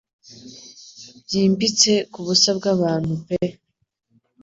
Byimbitse kubusa bwabantu pe